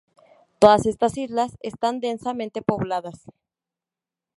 Todas estas islas están densamente pobladas.